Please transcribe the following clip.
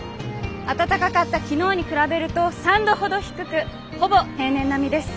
暖かかった昨日に比べると３度ほど低くほぼ平年並みです。